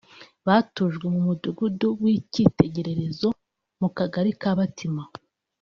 batujwe mu mudugudu w’icyitegererezo mu Kagari ka Batima